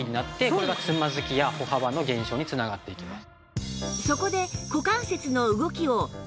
これがつまずきや歩幅の減少に繋がっていきます。